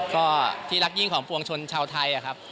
ก็ที่รักยิ่งของปวงชนชาวไทยครับ